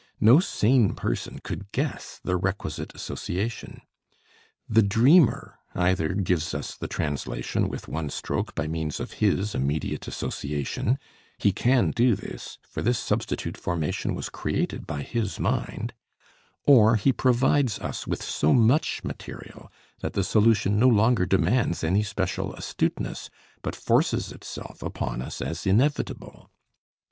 No sane person could guess the requisite association. The dreamer either gives us the translation with one stroke by means of his immediate association he can do this, for this substitute formation was created by his mind or he provides us with so much material that the solution no longer demands any special astuteness but forces itself upon us as inevitable.